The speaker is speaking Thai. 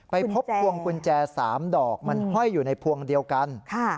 ไปพบพวงกุญแจ๓ดอกมันห้อยอยู่ในพวงเดียวกัน